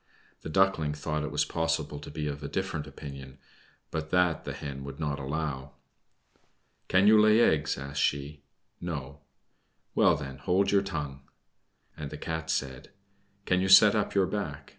The Duckling thought it was possible to be of a different opinion, but that the Hen would not allow. "Can you lay eggs?" asked she. "No." "Well, then, hold your tongue." And the Cat said, "Can you set up your back?